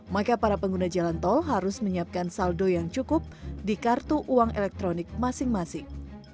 maka para pengguna jalan tol harus menyiapkan saldo yang cukup di kartu uang elektronik masing masing